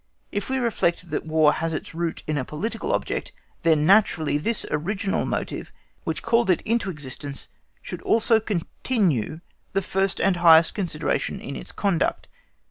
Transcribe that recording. if we reflect that War has its root in a political object, then naturally this original motive which called it into existence should also continue the first and highest consideration in its conduct.